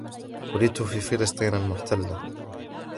ولدت في "فلسطين المحتله"